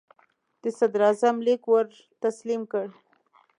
د صدراعظم لیک ور تسلیم کړ.